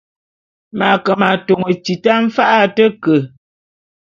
M’ ake m’atôn tita mfa’a a te ke.